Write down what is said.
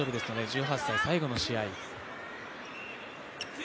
１８歳最後の試合。